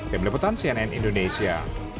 demi leputan cnn indonesia